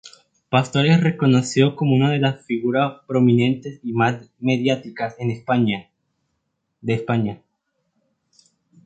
Pastor es reconocido como una de las figuras prominentes y más mediáticas de España.